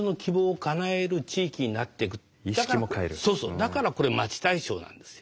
だからこれまち大賞なんですよ。